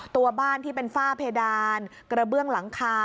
ตัวบ้านที่เป็นฝ้าเพดานกระเบื้องหลังคา